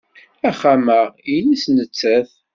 Axxam-a nnes nettat.